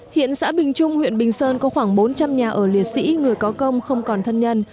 hiện xã bình trung huyện bình sơn có khoảng bốn trăm linh nhà ở liệt sĩ người có công không còn thân nhân